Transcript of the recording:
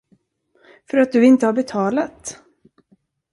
För att du inte har betalat?